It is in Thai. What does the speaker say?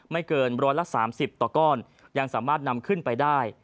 ไม่เกิน๑๓๐ต่อก้อนยังสามารถนำขึ้นไปได้